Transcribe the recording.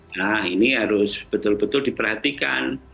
nah ini harus betul betul diperhatikan